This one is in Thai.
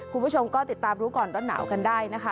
คุณผู้ชมก็ติดตามรู้ก่อนร้อนหนาวกันได้นะคะ